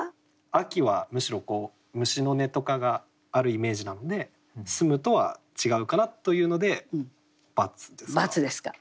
秋はむしろ虫の音とかがあるイメージなので澄むとは違うかなというので×ですか。